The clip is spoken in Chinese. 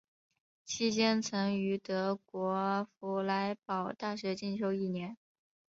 期间曾于德国佛莱堡大学进修一年。